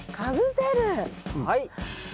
はい。